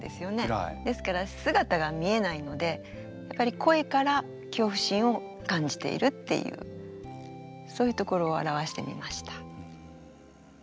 ですから姿が見えないのでやっぱり声から恐怖心を感じているっていうそういうところを表してみました。